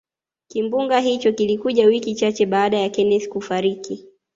kimbunga hicho kilikuja wiki chache baada ya kenneth kufariki